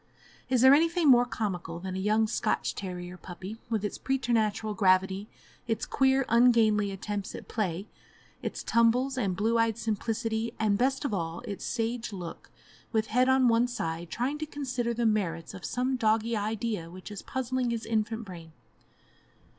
Is there anything more comical than a young Scotch terrier puppy, with its preternatural gravity, its queer, ungainly attempts at play, its tumbles, and blue eyed simplicity, and, best of all, its sage look, with head on one side, trying to consider the merits of some doggie idea which is puzzling his infant brain?